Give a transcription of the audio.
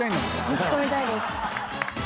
ブチ込みたいです。